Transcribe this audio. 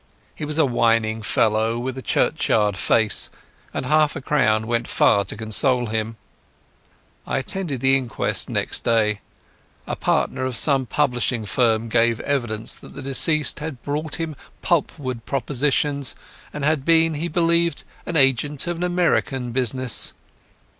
He was a whining fellow with a churchyard face, and half a crown went far to console him. I attended the inquest next day. A partner of some publishing firm gave evidence that the deceased had brought him wood pulp propositions, and had been, he believed, an agent of an American business.